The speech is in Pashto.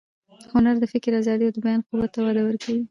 هنر د فکر ازادي او د بیان قوت ته وده ورکوي.